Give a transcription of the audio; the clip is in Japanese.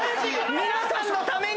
皆さんのために！